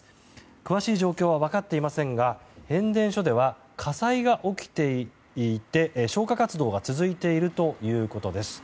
詳しい状況は分かっていませんが変電所では火災が起きていて消火活動が続いているということです。